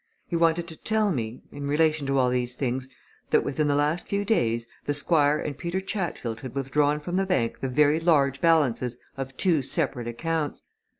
He wanted to tell me in relation to all these things that within the last few days, the Squire and Peter Chatfield had withdrawn from the bank the very large balances of two separate accounts.